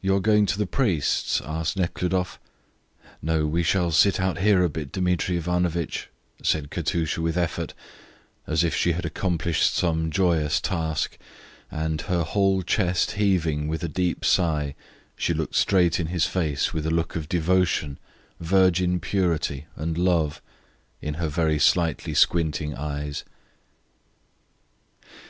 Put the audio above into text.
"You are going to the priests?" asked Nekhludoff. "No, we shall sit out here a bit, Dmitri Ivanovitch," said Katusha with effort, as if she had accomplished some joyous task, and, her whole chest heaving with a deep sigh, she looked straight in his face with a look of devotion, virgin purity, and love, in her very slightly squinting eyes.